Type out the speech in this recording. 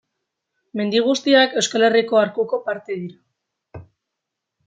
Mendi guztiak Euskal Herriko arkuko parte dira.